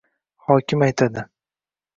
Hokim aytadi: